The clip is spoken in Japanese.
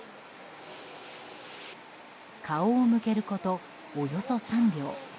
顔を向けること、およそ３秒。